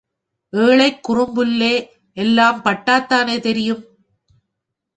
ஏழைக் குறும்புல்லே, எல்லாம் பட்டாத்தானே தெரியும்.